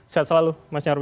sehat selalu mas nyarwi